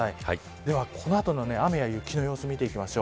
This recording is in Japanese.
では、この後の雨や雪の様子を見ていきましょう。